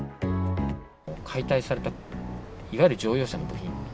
解体された、いわゆる乗用車の部品。